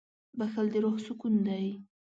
• بښل د روح سکون دی.